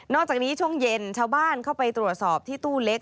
อกจากนี้ช่วงเย็นชาวบ้านเข้าไปตรวจสอบที่ตู้เล็ก